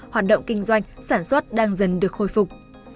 hoạt động kinh doanh sản xuất đang dần được khôi phục